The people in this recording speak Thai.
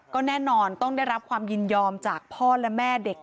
ก็แน่นอนต้องได้รับความยินยอมจากพ่อและแม่เด็ก